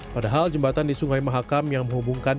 padahal jembatan di sungai mahakam yang menghubungkan